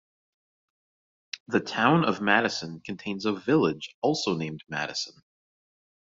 The Town of Madison contains a village also named Madison.